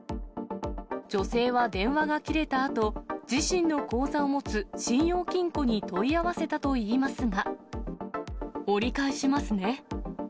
女性は電話が切れたあと、自身の口座を持つ信用金庫に問い合わせたといいますが。